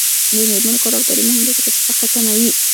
د میرمنو کار او تعلیم مهم دی ځکه چې فقر کموي.